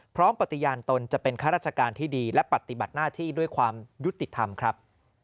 ปฏิญาณตนจะเป็นข้าราชการที่ดีและปฏิบัติหน้าที่ด้วยความยุติธรรมครับ